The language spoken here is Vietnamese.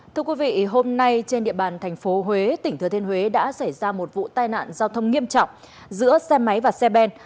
thưa quý vị hôm nay trên địa bàn thành phố huế tỉnh thừa thiên huế đã xảy ra một vụ tai nạn giao thông nghiêm trọng giữa xe máy và xe ben